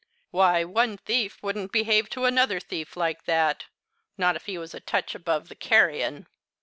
Why one thief wouldn't behave to another thief like that not if he was a touch above the carrion.